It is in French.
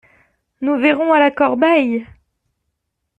Nous verrons à la corbeille!